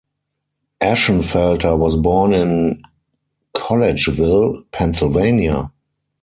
Ashenfelter was born in Collegeville, Pennsylvania.